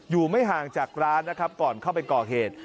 ไม่ห่างจากร้านนะครับก่อนเข้าไปก่อเหตุ